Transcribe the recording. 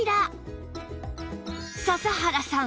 笹原さん